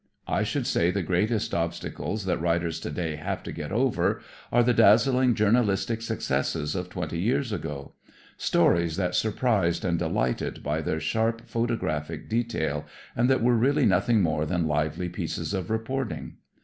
I should say the greatest obstacles that writers today have to get over, are the dazzling journalistic successes of twenty years ago, stories that surprised and delighted by their sharp photographic detail and that were really nothing more than lively pieces of reporting.